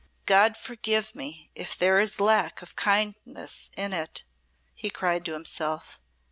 "God forgive me if there is lack of kindness in it," he cried to himself.